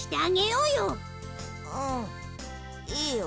うんいいよ。